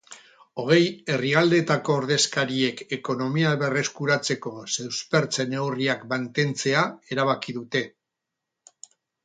Hogei herrialdeetako ordezkariek ekonomia berreskuratzeko suspertze neurriak mantentzea erabaki dute.